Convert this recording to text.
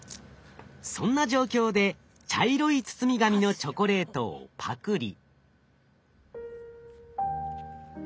そんな状況で茶色い包み紙のチョコレートをパクリ。